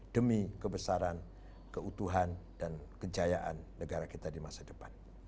demi kebesaran keutuhan dan kejayaan negara kita di masa depan